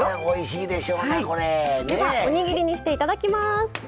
では、おにぎりにしていただきます。